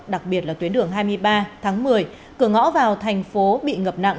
đặc biệt là tuyến đường hai mươi ba tháng một mươi cửa ngõ vào thành phố bị ngập nặng